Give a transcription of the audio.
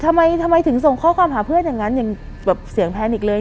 ทำไมทำไมถึงส่งข้อความหาเพื่อนอย่างนั้นอย่างแบบเสียงแพนิกเลย